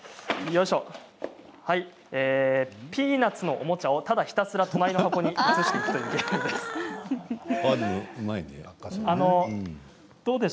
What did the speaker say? ピーナツのおもちゃをただひたすら隣の箱に移していくというゲームです。